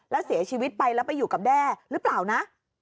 แล้วเสียชีวิตไปแล้วไปอยู่กับแด้หรือเปล่านะ